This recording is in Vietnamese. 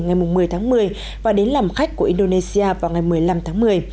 ngày một mươi tháng một mươi và đến làm khách của indonesia vào ngày một mươi năm tháng một mươi